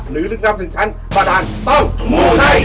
หรือลึกนำถึงชั้นประดาษต้องมูลใจ